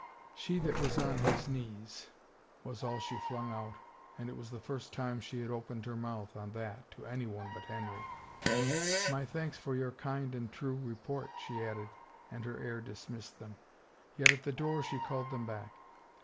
" She that was on his knees I " was all she flung out and it was the first time she had opened her mouth on that to anyone but Henry. " My thanks for your kind and true report,'* she added and her air dismissed them. Yet at the door she called them back.